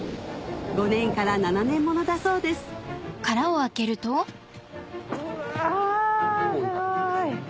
５年から７年ものだそうですうわすごい。